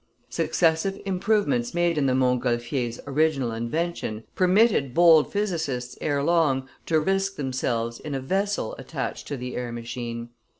Successive improvements made in the Montgolfiers' original invention permitted bold physicists ere long to risk themselves in a vessel attached to the air machine.